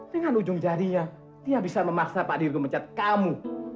dengan ujung jarinya dia bisa memaksa pak dirgo mencatat kamu